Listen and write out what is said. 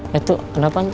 ya tuh kenapa